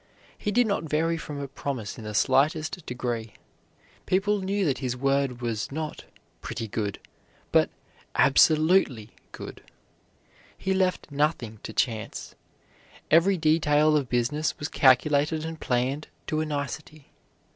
He did not vary from a promise in the slightest degree. People knew that his word was not "pretty good," but absolutely good. He left nothing to chance. Every detail of business was calculated and planned to a nicety.